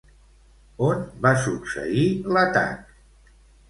On va succeir l'atac?